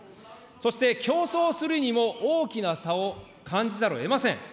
そして、競争するにも、大きな差を感じざるをえません。